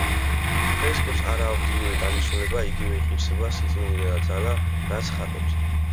ფრესკებს არა აქვთ იგივე დანიშნულება, იგივე ღირსება, სიწმიდე და ძალა, რაც ხატებს.